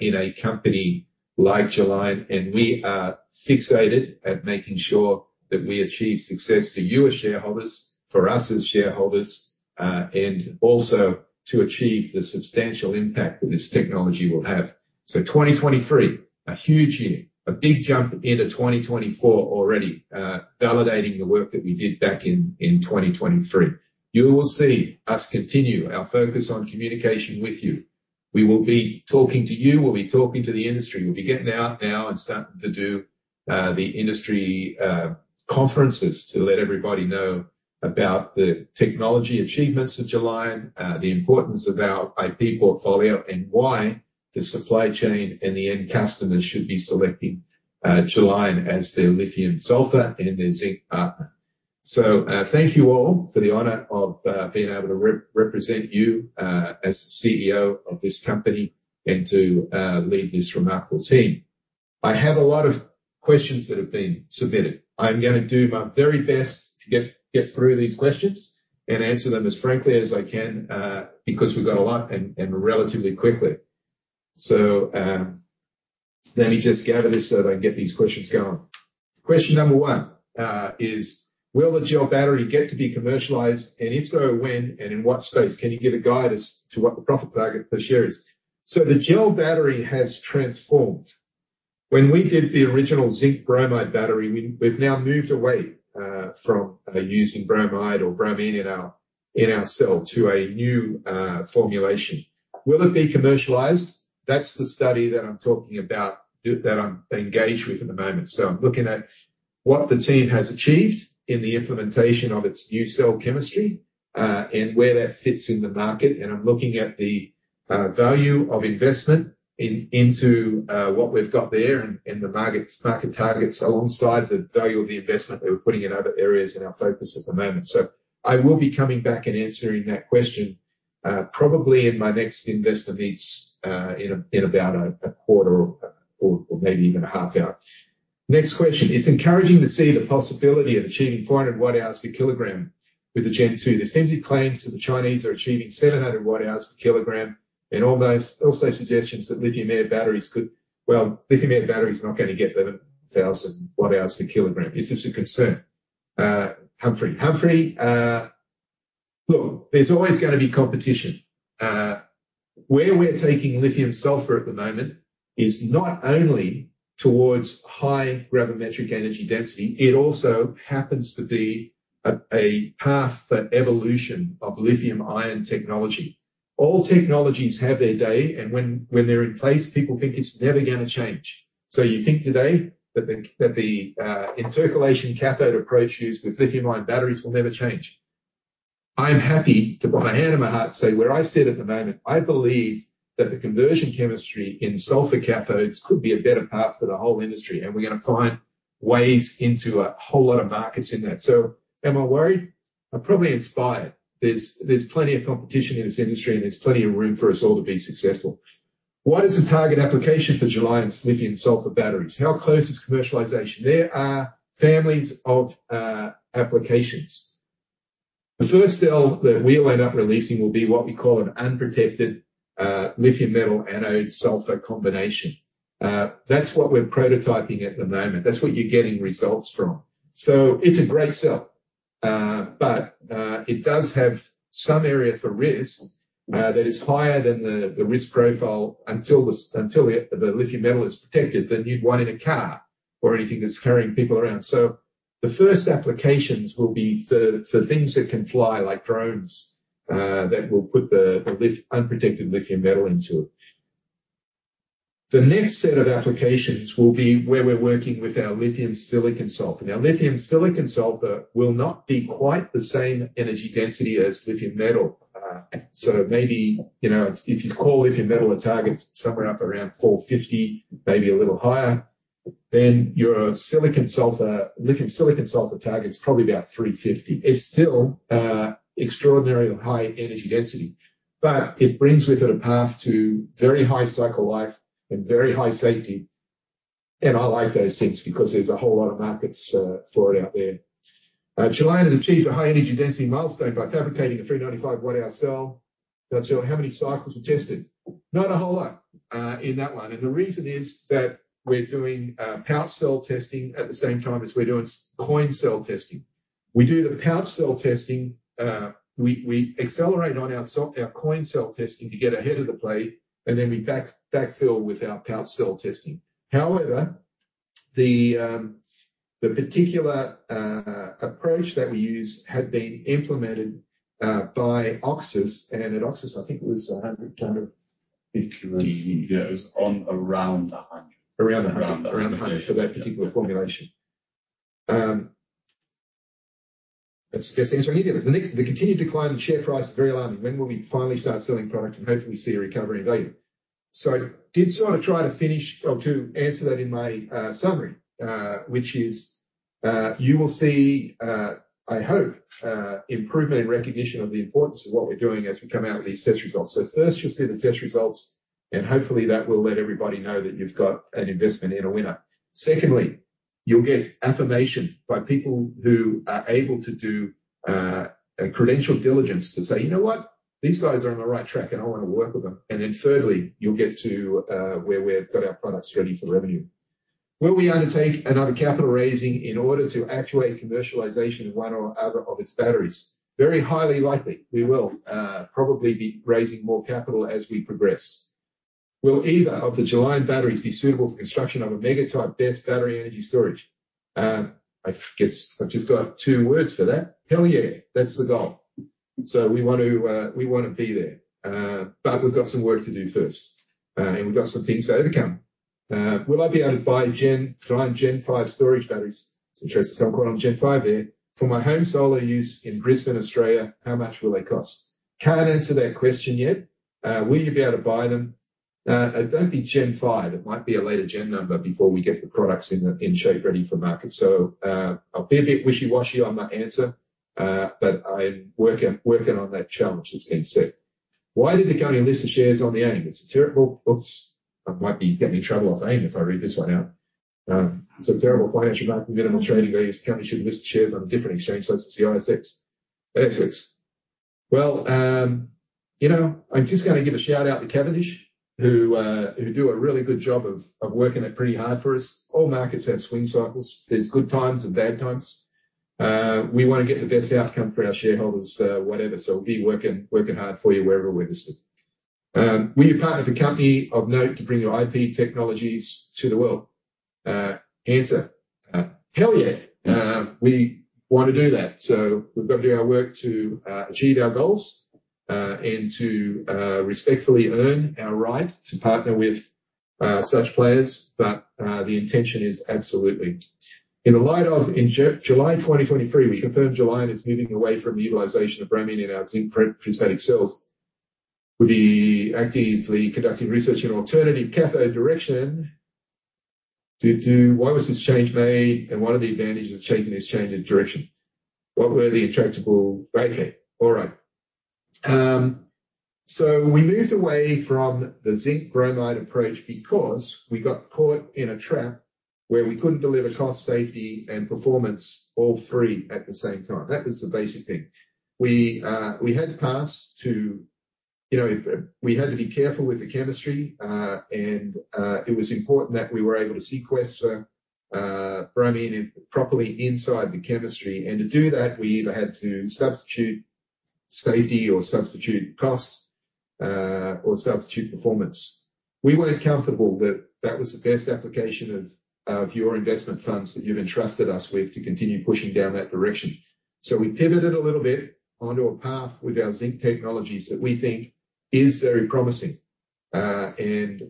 in a company like Gelion. And we are fixated at making sure that we achieve success for you as shareholders, for us as shareholders, and also to achieve the substantial impact that this technology will have. So 2023, a huge year, a big jump into 2024 already, validating the work that we did back in 2023. You will see us continue our focus on communication with you. We will be talking to you. We'll be talking to the industry. We'll be getting out now and starting to do the industry conferences to let everybody know about the technology achievements of Gelion, the importance of our IP portfolio, and why the supply chain and the end customers should be selecting Gelion as their lithium-sulfur and their zinc partner. So thank you all for the honor of being able to represent you as the CEO of this company and to lead this remarkable team. I have a lot of questions that have been submitted. I'm going to do my very best to get through these questions and answer them as frankly as I can because we've got a lot and relatively quickly. Let me just gather this so that I get these questions going. Question number one is, will the gel battery get to be commercialized? And if so, when and in what space? Can you give a guide as to what the profit target per share is? The gel battery has transformed. When we did the original zinc bromide battery, we've now moved away from using bromide or bromine in our cell to a new formulation. Will it be commercialized? That's the study that I'm talking about that I'm engaged with at the moment. I'm looking at what the team has achieved in the implementation of its new cell chemistry and where that fits in the market. And I'm looking at the value of investment into what we've got there and the market targets alongside the value of the investment that we're putting in other areas and our focus at the moment. So I will be coming back and answering that question probably in my next Investor Meets in about a quarter or maybe even a half hour. Next question is, encouraging to see the possibility of achieving 400 Wh/kg with the Gen 2. There seem to be claims that the Chinese are achieving 700 Wh/kg and also suggestions that lithium-air batteries could well, lithium-air batteries are not going to get 7,000 Wh/kg. Is this a concern? Humphrey. Humphrey, look, there's always going to be competition. Where we're taking lithium-sulfur at the moment is not only towards high gravimetric energy density. It also happens to be a path for evolution of lithium-ion technology. All technologies have their day. And when they're in place, people think it's never going to change. So you think today that the intercalation cathode approach used with lithium-ion batteries will never change. I'm happy to, with my hand on my heart, say where I sit at the moment, I believe that the conversion chemistry in sulfur cathodes could be a better path for the whole industry. And we're going to find ways into a whole lot of markets in that. So am I worried? I'm probably inspired. There's plenty of competition in this industry, and there's plenty of room for us all to be successful. What is the target application for Gelion's lithium-sulfur batteries? How close is commercialization? There are families of applications. The first cell that we'll end up releasing will be what we call an unprotected lithium-metal-anode-sulfur combination. That's what we're prototyping at the moment. That's what you're getting results from. So it's a great cell. But it does have some area for risk that is higher than the risk profile until the lithium metal is protected than you'd want in a car or anything that's carrying people around. So the first applications will be for things that can fly, like drones, that will put the unprotected lithium metal into it. The next set of applications will be where we're working with our lithium-silicon sulfur. Now, lithium-silicon sulfur will not be quite the same energy density as lithium metal. So maybe if you call lithium metal a target somewhere up around 450, maybe a little higher, then your silicon sulfur target is probably about 350. It's still extraordinarily high energy density. But it brings with it a path to very high cycle life and very high safety. And I like those things because there's a whole lot of markets for it out there. July has achieved a high energy density milestone by fabricating a 395 Wh cell. That's how many cycles were tested? Not a whole lot in that one. And the reason is that we're doing pouch cell testing at the same time as we're doing coin cell testing. We do the pouch cell testing. We accelerate on our coin cell testing to get ahead of the play, and then we backfill with our pouch cell testing. However, the particular approach that we use had been implemented by OXIS. And at OXIS, I think it was 100, 150. Yeah. It was around 100. Around 100. Around 100 for that particular formulation. That's the best answer I can give you. The continued decline in share price is very alarming. When will we finally start selling product and hopefully see a recovery in value? So I did sort of try to finish or to answer that in my summary, which is, you will see, I hope, improvement in recognition of the importance of what we're doing as we come out with these test results. So first, you'll see the test results. And hopefully, that will let everybody know that you've got an investment in a winner. Secondly, you'll get affirmation by people who are able to do a credentialed diligence to say, "You know what? These guys are on the right track, and I want to work with them." And then thirdly, you'll get to where we've got our products ready for revenue. Will we undertake another capital raising in order to actuate commercialization of one or other of its batteries? Very highly likely, we will probably be raising more capital as we progress. Will either of the Gelion batteries be suitable for construction of a mega-type BESS battery energy storage? I guess I've just got two words for that. Hell yeah. That's the goal. So we want to be there. But we've got some work to do first. We've got some things to overcome. Will I be able to buy Gelion Gen 5 storage batteries? It's interesting. So I'm calling on Gen 5 there. For my home solar use in Brisbane, Australia, how much will they cost? Can't answer that question yet. Will you be able to buy them? It won't be Gen 5. It might be a later Gen number before we get the products in shape ready for market. So I'll be a bit wishy-washy on that answer. But I'm working on that challenge that's been set. Why did the company list the shares on the AIM? It's a terrible oops. I might be getting in trouble off AIM if I read this one out. It's a terrible financial market. Minimal trading values. The company should list the shares on a different exchange licence, the ASX. ASX. Well, I'm just going to give a shout-out to Cavendish, who do a really good job of working it pretty hard for us. All markets have swing cycles. There's good times and bad times. We want to get the best outcome for our shareholders, whatever. So we'll be working hard for you wherever we're listed. Will you partner with a company of note to bring your IP technologies to the world? Answer. Hell yeah. We want to do that. So we've got to do our work to achieve our goals and to respectfully earn our right to partner with such players. But the intention is absolutely. In July 2023, we confirmed we are moving away from the utilization of bromine in our zinc prismatic cells. We'll be actively conducting research in alternative cathode direction. Why was this change made and what are the advantages of taking this change in direction? What were the intractable? Okay. All right. So we moved away from the zinc bromide approach because we got caught in a trap where we couldn't deliver cost, safety, and performance all three at the same time. That was the basic thing. We had to be careful with the chemistry. And it was important that we were able to sequester bromine properly inside the chemistry. And to do that, we either had to substitute safety or substitute costs or substitute performance. We weren't comfortable that that was the best application of your investment funds that you've entrusted us with to continue pushing down that direction. So we pivoted a little bit onto a path with our zinc technologies that we think is very promising and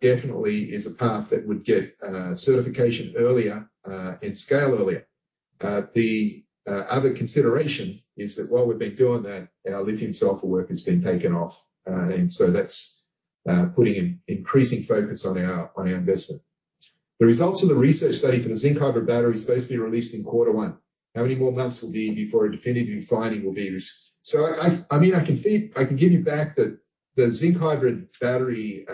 definitely is a path that would get certification earlier and scale earlier. The other consideration is that while we've been doing that, our lithium-sulfur work has been taken off. And so that's putting an increasing focus on our investment. The results of the research study for the zinc hybrid battery is supposed to be released in quarter one. How many more months will be before a definitive finding will be? So I mean, I can give you back that the zinc hybrid battery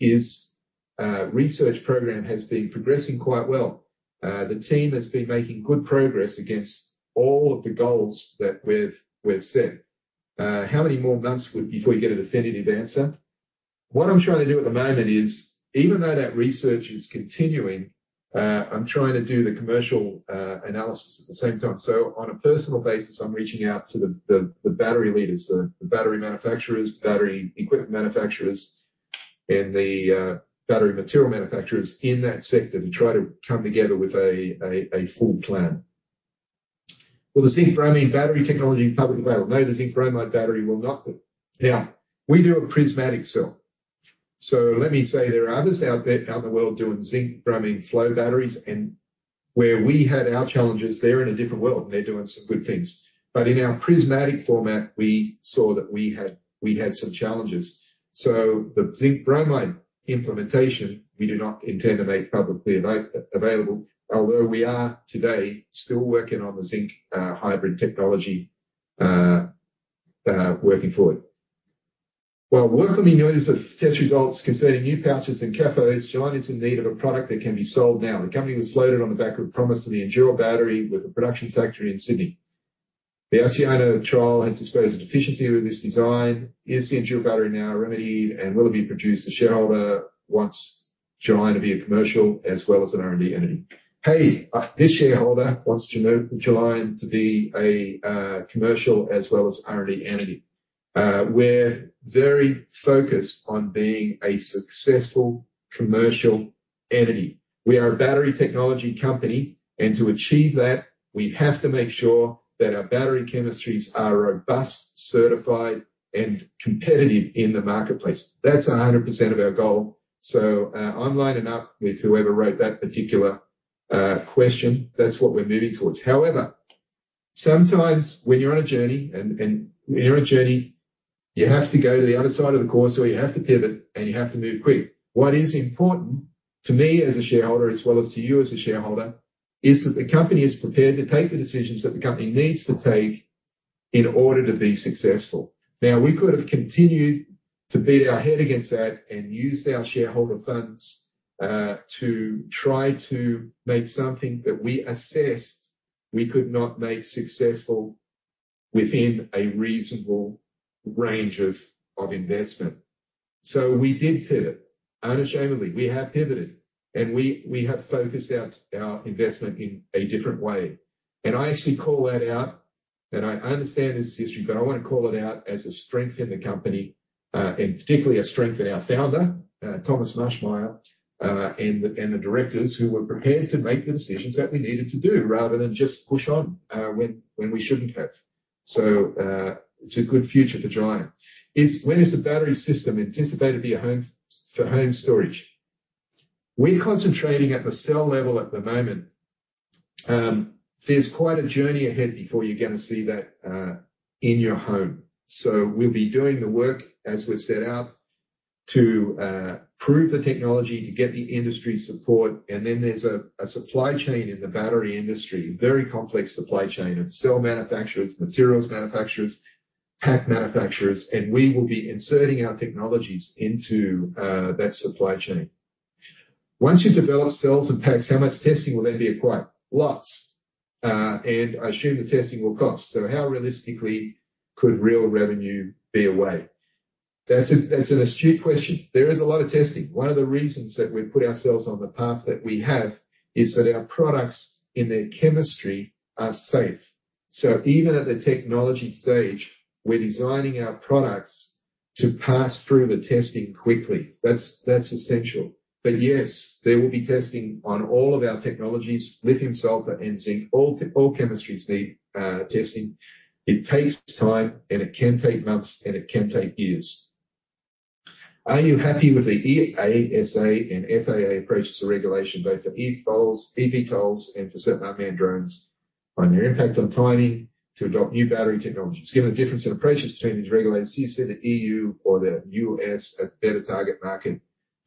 research program has been progressing quite well. The team has been making good progress against all of the goals that we've set. How many more months before we get a definitive answer? What I'm trying to do at the moment is, even though that research is continuing, I'm trying to do the commercial analysis at the same time. So on a personal basis, I'm reaching out to the battery leaders, the battery manufacturers, the battery equipment manufacturers, and the battery material manufacturers in that sector to try to come together with a full plan. Will the zinc bromide battery technology be publicly available? No, the zinc bromide battery will not be. Now, we do a prismatic cell. So let me say there are others out there out in the world doing zinc bromide flow batteries. And where we had our challenges, they're in a different world, and they're doing some good things. But in our prismatic format, we saw that we had some challenges. So the zinc bromide implementation, we do not intend to make publicly available, although we are today still working on the zinc hybrid technology, working for it. While work on the notice of test results concerning new pouches and cathodes, Gelion is in need of a product that can be sold now. The company was floated on the back of a promise to the Endure battery with a production factory in Sydney. The Acciona trial has exposed a deficiency with this design. Is the Endure battery now remedied, and will it be produced to shareholder once Gelion to be a commercial as well as an R&D entity? Hey, this shareholder wants to know Gelion to be a commercial as well as R&D entity. We're very focused on being a successful commercial entity. We are a battery technology company. To achieve that, we have to make sure that our battery chemistries are robust, certified, and competitive in the marketplace. That's 100% of our goal. I'm lining up with whoever wrote that particular question. That's what we're moving towards. However, sometimes when you're on a journey and when you're on a journey, you have to go to the other side of the course, or you have to pivot, and you have to move quick. What is important to me as a shareholder, as well as to you as a shareholder, is that the company is prepared to take the decisions that the company needs to take in order to be successful. Now, we could have continued to beat our head against that and used our shareholder funds to try to make something that we assessed we could not make successful within a reasonable range of investment. So we did pivot. Unashamedly, we have pivoted. And we have focused out our investment in a different way. And I actually call that out. And I understand this history, but I want to call it out as a strength in the company, and particularly a strength in our founder, Thomas Maschmeyer, and the directors who were prepared to make the decisions that we needed to do rather than just push on when we shouldn't have. So it's a good future for Gelion. When is the battery system anticipated to be for home storage? We're concentrating at the cell level at the moment. There's quite a journey ahead before you're going to see that in your home. So we'll be doing the work as we're set out to prove the technology, to get the industry support. Then there's a supply chain in the battery industry, a very complex supply chain of cell manufacturers, materials manufacturers, pack manufacturers. We will be inserting our technologies into that supply chain. Once you develop cells and packs, how much testing will there be required? Lots. I assume the testing will cost. So how realistically could real revenue be away? That's an astute question. There is a lot of testing. One of the reasons that we've put ourselves on the path that we have is that our products, in their chemistry, are safe. So even at the technology stage, we're designing our products to pass through the testing quickly. That's essential. But yes, there will be testing on all of our technologies, lithium-sulfur and zinc. All chemistries need testing. It takes time, and it can take months, and it can take years. Are you happy with the EASA and FAA approaches to regulation, both for eVTOLs and for certified manned drones, on their impact on timing to adopt new battery technologies? Given the difference in approaches between these regulators, do you see the EU or the US as a better target market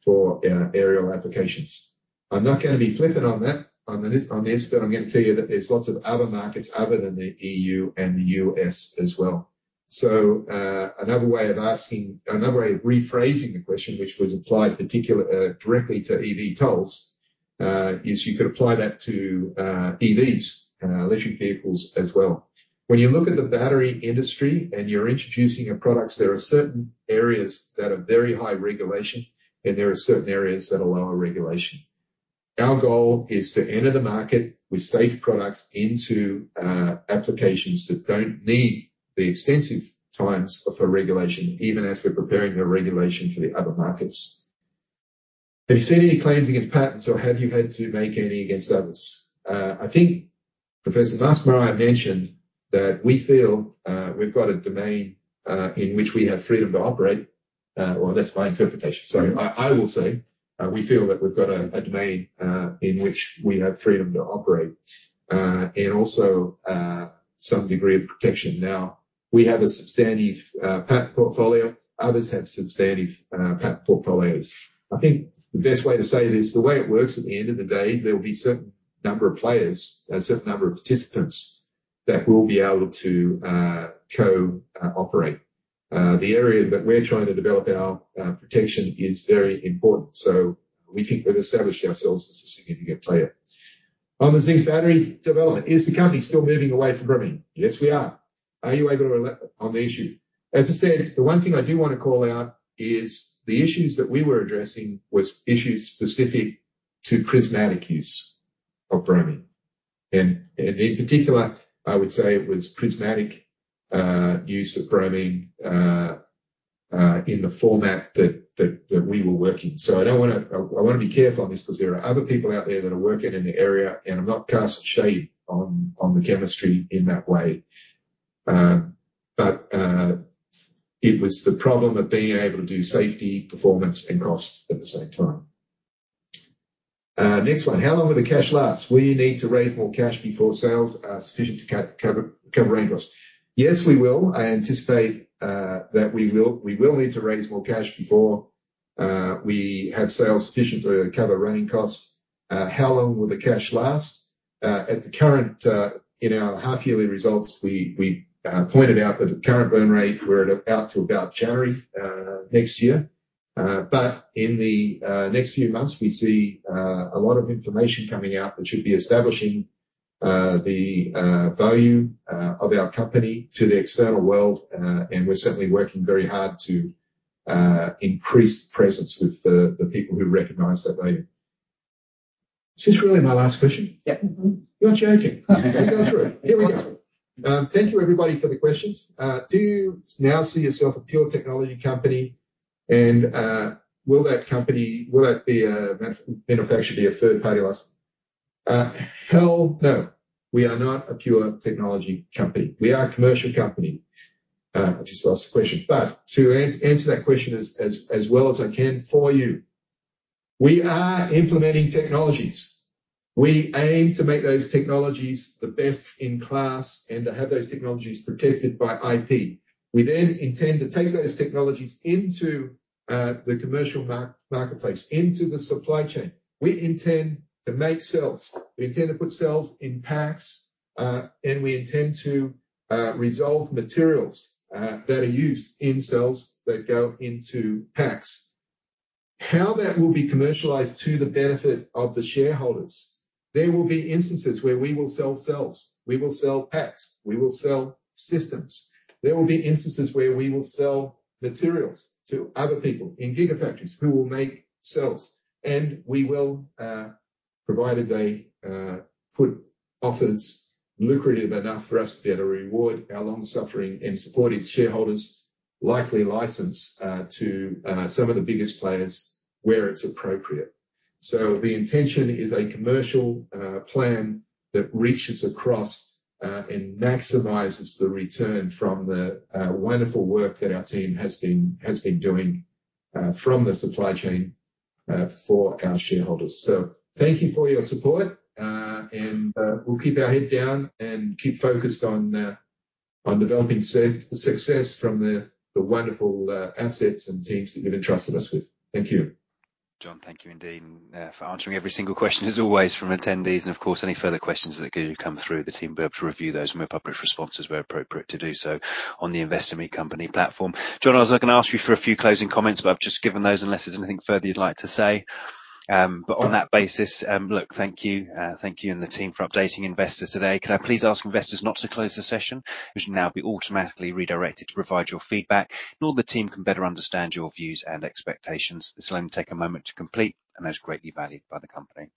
for aerial applications? I'm not going to be flipping on that on this, but I'm going to tell you that there's lots of other markets other than the EU and the US as well. So another way of asking another way of rephrasing the question, which was applied directly to eVTOLs, is you could apply that to EVs, electric vehicles, as well. When you look at the battery industry and you're introducing products, there are certain areas that are very high regulation, and there are certain areas that are lower regulation. Our goal is to enter the market with safe products into applications that don't need the extensive times for regulation, even as we're preparing the regulation for the other markets. Have you seen any claims against patents, or have you had to make any against others? I think Professor Maschmeyer mentioned that we feel we've got a domain in which we have freedom to operate. Well, that's my interpretation. Sorry. I will say we feel that we've got a domain in which we have freedom to operate and also some degree of protection. Now, we have a substantive patent portfolio. Others have substantive patent portfolios. I think the best way to say this, the way it works at the end of the day, there will be a certain number of players, a certain number of participants that will be able to cooperate. The area that we're trying to develop our protection is very important. So we think we've established ourselves as a significant player. On the zinc battery development, is the company still moving away from bromine? Yes, we are. Are you able to relate on the issue? As I said, the one thing I do want to call out is the issues that we were addressing were issues specific to prismatic use of bromine. And in particular, I would say it was prismatic use of bromine in the format that we were working. So I want to be careful on this because there are other people out there that are working in the area, and I'm not casting shade on the chemistry in that way. But it was the problem of being able to do safety, performance, and cost at the same time. Next one. How long will the cash last? Will you need to raise more cash before sales are sufficient to cover running costs? Yes, we will. I anticipate that we will need to raise more cash before we have sales sufficient to cover running costs. How long will the cash last? At the current in our half-yearly results, we pointed out that at current burn rate, we're out to about January next year. But in the next few months, we see a lot of information coming out that should be establishing the value of our company to the external world. And we're certainly working very hard to increase presence with the people who recognize that value. Is this really my last question? Yeah. You're not joking. We'll go through it. Here we go. Thank you, everybody, for the questions. Do you now see yourself a pure technology company? And will that company will that manufacturer be a third-party license? Hell no. We are not a pure technology company. We are a commercial company. I just lost the question. But to answer that question as well as I can for you, we are implementing technologies. We aim to make those technologies the best in class and to have those technologies protected by IP. We then intend to take those technologies into the commercial marketplace, into the supply chain. We intend to make cells. We intend to put cells in packs. And we intend to resolve materials that are used in cells that go into packs. How that will be commercialized to the benefit of the shareholders, there will be instances where we will sell cells. We will sell packs. We will sell systems. There will be instances where we will sell materials to other people in gigafactories who will make cells. And we will, provided they put offers lucrative enough for us to be able to reward our long-suffering and supportive shareholders, likely license to some of the biggest players where it's appropriate. So the intention is a commercial plan that reaches across and maximizes the return from the wonderful work that our team has been doing from the supply chain for our shareholders. So thank you for your support. And we'll keep our head down and keep focused on developing success from the wonderful assets and teams that you've entrusted us with. Thank you. John, thank you indeed for answering every single question, as always, from attendees. Of course, any further questions that could come through, the team will be able to review those, and we'll publish responses where appropriate to do so on the InvestorMe company platform. John, I was not going to ask you for a few closing comments, but I've just given those unless there's anything further you'd like to say. On that basis, look, thank you. Thank you and the team for updating investors today. Could I please ask investors not to close the session? You should now be automatically redirected to provide your feedback, so the team can better understand your views and expectations. This will only take a moment to complete, and that's greatly valued by the company.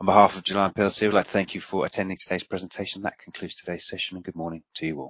On behalf of Gelion plc, we'd like to thank you for attending today's presentation. That concludes today's session. Good morning to you all.